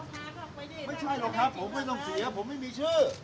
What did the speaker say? ยังคิวเอ้ยไม่ใช่หรอกครับผมไม่ต้องเสียผมไม่มีชื่อ